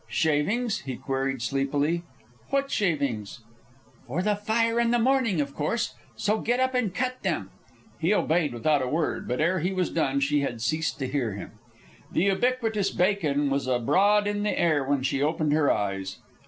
"Shavings?" he queried, sleepily. "What shavings?" "For the fire in the morning, of course. So get up and cut them." He obeyed without a word; but ere he was done she had ceased to hear him. The ubiquitous bacon was abroad on the air when she opened her eyes.